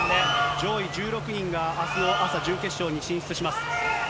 上位１６人が、あすの朝、準決勝に進出します。